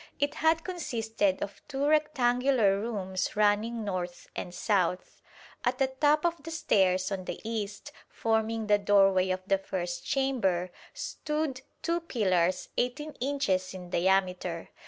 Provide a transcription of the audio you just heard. It had consisted of two rectangular rooms running north and south. At the top of the stairs on the east, forming the doorway of the first chamber, stood two pillars 18 inches in diameter.